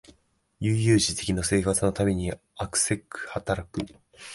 悠々自適の生活のためにあくせく働く